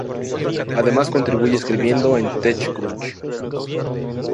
Además contribuye escribiendo en TechCrunch.